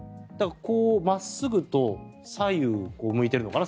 真っすぐと左右を向いているのかな？